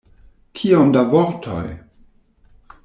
Kiom da vortoj?